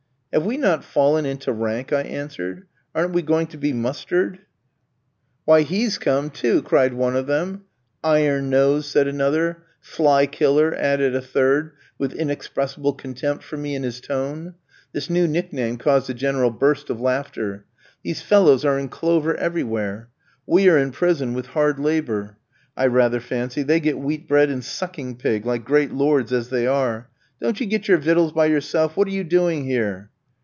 "Have we not fallen into rank," I answered, "aren't we going to be mustered?" "Why, he's come, too," cried one of them. "Iron nose," said another. "Fly killer," added a third, with inexpressible contempt for me in his tone. This new nickname caused a general burst of laughter. "These fellows are in clover everywhere. We are in prison, with hard labour, I rather fancy; they get wheat bread and sucking pig, like great lords as they are. Don't you get your victuals by yourself? What are you doing here?"